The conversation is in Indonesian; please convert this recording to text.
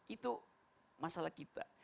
itu masalah kita